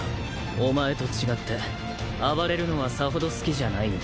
お前と違って暴れるのはさほど好きじゃないんだ。